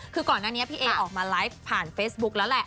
คือก่อนหน้านี้พี่เอออกมาไลฟ์ผ่านเฟซบุ๊คแล้วแหละ